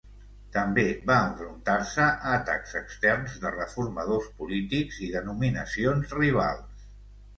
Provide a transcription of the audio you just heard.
També va enfrontar-se a atacs externs de reformadors polítics i denominacions rivals.